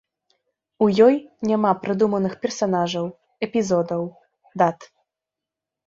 У ёй няма прыдуманых персанажаў, эпізодаў, дат.